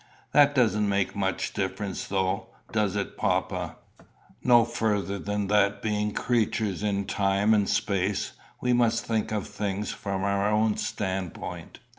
"That doesn't make much difference though, does it, papa?" "No further than that being creatures in time and space, we must think of things from our own standpoint."